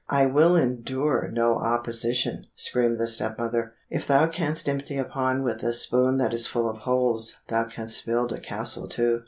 "I will endure no opposition," screamed the step mother. "If thou canst empty a pond with a spoon that is full of holes, thou canst build a castle too.